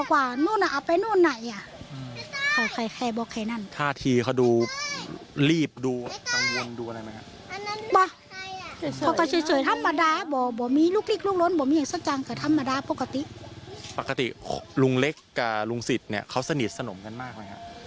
ปกติลุงเล็กกับลุงสิทธิ์เนี่ยเขาสนิทสนมกันมากไหมฮะ